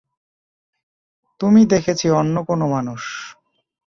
তুমি দেখেছি অন্য কোনো মানুষ?